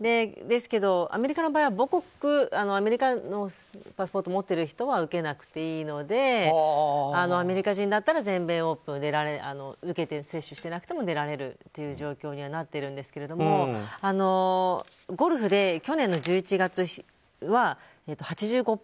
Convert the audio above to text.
ですけど、アメリカの場合はアメリカのパスポートを持っている人は受けなくていいのでアメリカ人だったら全米オープン接種していなくても出られるという状況にはなっているんですがゴルフで去年の１１月は８５％